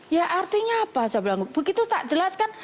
ya artinya apa saya bilang begitu tak jelas kan